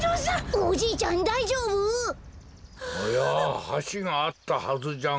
おやはしがあったはずじゃが。